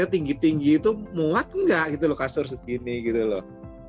tinggi tinggi itu muat nggak gitu loh kasur segini gitu loh